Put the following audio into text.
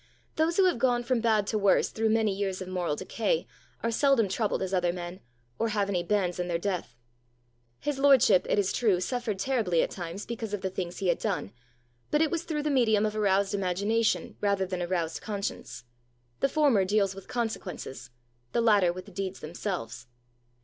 Those who have gone from bad to worse through many years of moral decay, are seldom troubled as other men, or have any bands in their death. His lordship, it is true, suffered terribly at times because of the things he had done; but it was through the medium of a roused imagination rather than a roused conscience: the former deals with consequences; the latter with the deeds themselves.